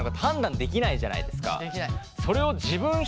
できない。